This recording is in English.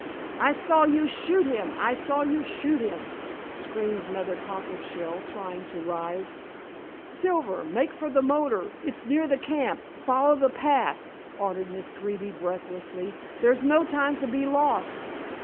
"I saw you shoot him; I saw you shoot him," screamed Mother Cockleshell, trying to rise. "Silver, make for the motor; it's near the camp; follow the path," ordered Miss Greeby breathlessly; "there's no time to be lost.